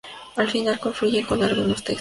Al final, confluyen con algunos textos de magia.